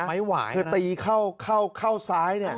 ไม้หวายคือตีเข้าซ้าย